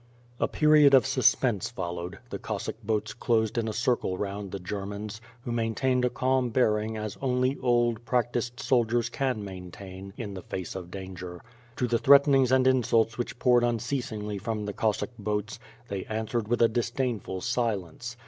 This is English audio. A period of suspense followed; the Cossack boats closed in a circle round the (Jermans, who maintained a calm bearing as only old, practiced soldiers can maintain in the face of danger. To the threatenings and insults which poured un ceasingly from the Cossack boats, they answered with a dis dainful silence.